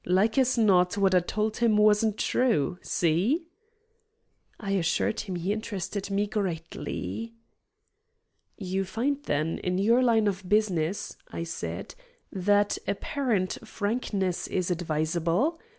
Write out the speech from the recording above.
Like as not what I told him wasn't true. See?" I assured him he interested me greatly. "You find, then, in your line of business," I asked, "that apparent frankness is advisable?